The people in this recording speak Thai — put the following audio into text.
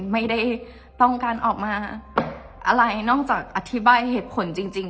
ไม่ได้ต้องการออกมาอะไรนอกจากอธิบายเหตุผลจริง